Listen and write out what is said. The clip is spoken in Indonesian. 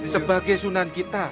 sebagai sunan kita